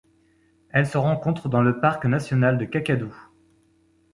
Elle se rencontre dans le parc national de Kakadu.